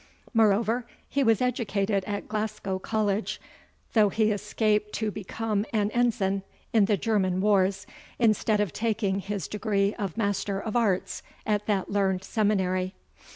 Moreover, he was educated at Glasgow College, though he escaped to become an Ensign in the German wars, instead of taking his degree of Master of Arts at that learned seminary.